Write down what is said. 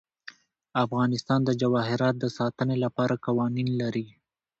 افغانستان د جواهرات د ساتنې لپاره قوانین لري.